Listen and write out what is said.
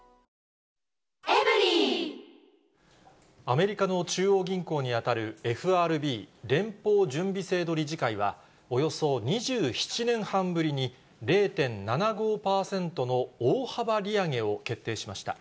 アメリカの中央銀行に当たる、ＦＲＢ・連邦準備制度理事会は、およそ２７年半ぶりに０．７５％の大幅利上げを決定しました。